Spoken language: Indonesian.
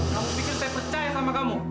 kamu pikir saya percaya sama kamu